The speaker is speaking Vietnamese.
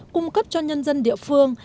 cung cấp cho nhân dân địa phương